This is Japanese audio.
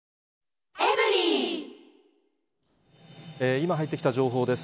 今、入ってきた情報です。